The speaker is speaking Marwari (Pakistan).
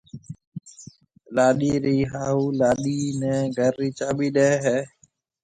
لاڏيِ رِي هاهوُ لاڏيِ نَي گھر رِي چاٻِي ڏَي هيَ۔